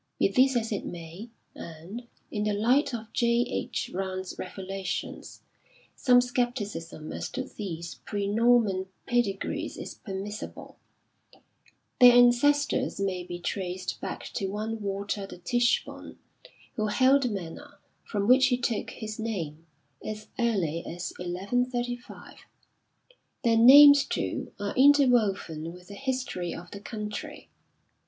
Be this as it may and, in the light of J. H. Round's revelations, some scepticism as to these pre Norman pedigrees is permissible their ancestors may be traced back to one Walter de Tichborne who held the manor, from which he took his name, as early as 1135. Their names too, are interwoven with the history of the country.